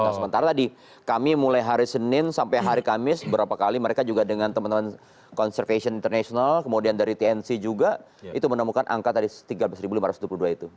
sementara tadi kami mulai hari senin sampai hari kamis berapa kali mereka juga dengan teman teman conservation international kemudian dari tnc juga itu menemukan angka tadi tiga belas lima ratus dua puluh dua itu